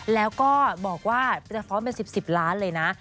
แล้วก็บอกว่าเป็นฟอร์มเป็น๑๐สิบล้านเลยนะ